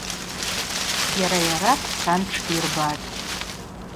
Йара-йара дцан тшдйырбатӏ.